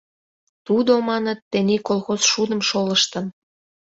— Тудо, маныт, тений колхоз шудым шолыштын.